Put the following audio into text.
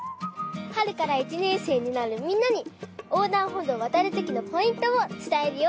はるから１ねんせいになるみんなにおうだんほどうをわたるときのポイントをつたえるよ！